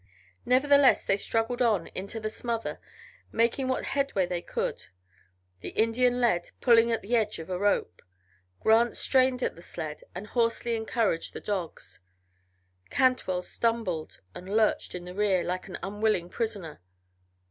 Nevertheless they struggled on into the smother, making what headway they could. The Indian led, pulling at the end of a rope; Grant strained at the sled and hoarsely encouraged the dogs; Cantwell stumbled and lurched in the rear like an unwilling prisoner.